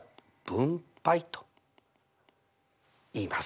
分配と言います。